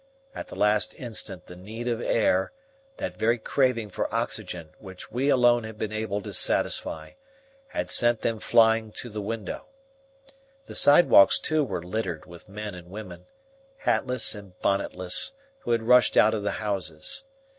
At the last instant the need of air, that very craving for oxygen which we alone had been able to satisfy, had sent them flying to the window. The sidewalks too were littered with men and women, hatless and bonnetless, who had rushed out of the houses.